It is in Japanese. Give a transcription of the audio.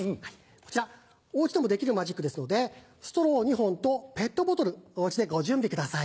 こちらお家でもできるマジックですのでストロー２本とペットボトルお家でご準備ください。